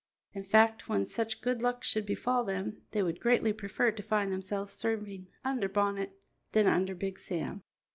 In fact, when such good luck should befall them, they would greatly prefer to find themselves serving under Bonnet than under Big Sam.